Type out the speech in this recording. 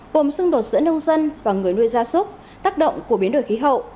gồm xưng đột giữa nông dân và người nuôi gia súc tác động của biến đổi khí hậu